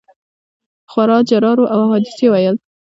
خورا جرار وو او احادیث یې ویل.